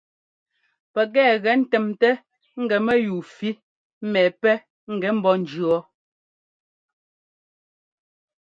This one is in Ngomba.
Pɛkɛ ŋ́gɛ ńtɛmtɛ́ ŋ́gɛ mɛyúu fí mɛ pɛ́ ŋ́gɛ ḿbɔ́ ńjʉɔ.